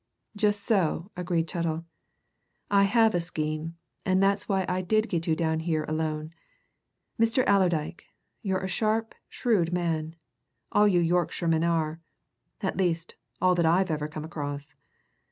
"Just so," agreed Chettle. "I have a scheme and that's why I did get you down here alone. Mr. Allerdyke, you're a sharp, shrewd man all you Yorkshiremen are! at least, all that I've ever come across.